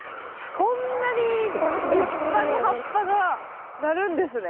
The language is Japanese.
こんなに立派に葉っぱがなるんですね。